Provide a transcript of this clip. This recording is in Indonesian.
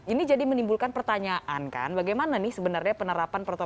ini jadi menimbulkan pertanyaan kan bagaimana nih sebenarnya penerapan protokol